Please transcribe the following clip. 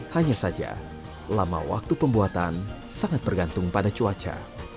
hanya saja lama waktu pembuatan sangat bergantung pada cuaca